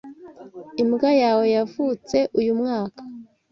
Imbwa yawe yavutse uyu mwaka.